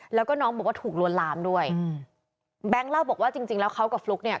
แล้วก็น้องบอกว่าถูกลวนลามด้วยอืมแบงค์เล่าบอกว่าจริงจริงแล้วเขากับฟลุ๊กเนี่ย